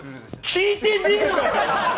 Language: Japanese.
聞いてねえのか！